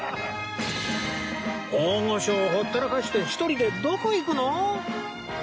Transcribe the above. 大御所をほったらかして一人でどこ行くの！？